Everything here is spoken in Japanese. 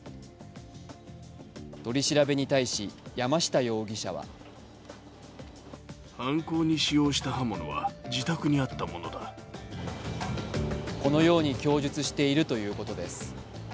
取り調べに対し、山下容疑者はこのように供述しているということです。